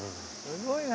すごいよ！